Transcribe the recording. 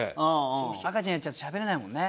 赤ちゃんやっちゃうとしゃべれないもんね。